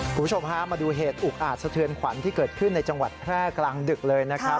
คุณผู้ชมฮะมาดูเหตุอุกอาจสะเทือนขวัญที่เกิดขึ้นในจังหวัดแพร่กลางดึกเลยนะครับ